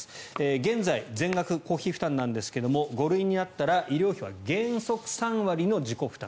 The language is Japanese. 現在、全額公費負担なんですが５類になったら医療費は原則３割の自己負担。